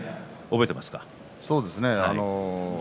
そうですね。